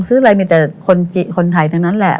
ซื้ออะไรมีแต่คนไทยทั้งนั้นแหละ